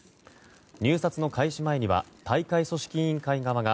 入札の開始前には大会組織委員会側が